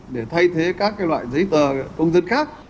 để thay thế các loại giấy tờ công dân khác